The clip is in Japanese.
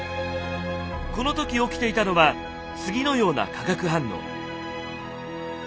この時起きていたのは次のような化学反応。